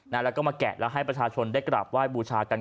แล้วก็มาแกะแล้วให้ประชาชนได้กราบไหว้บูชากัน